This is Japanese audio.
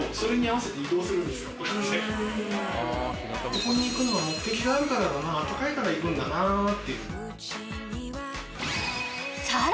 そこに行くのは目的があるからだなあったかいから行くんだなっていう。